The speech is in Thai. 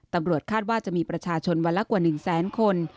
ตำรวจคาดว่าจะมีประชาชนวันละกว่า๑แสนคน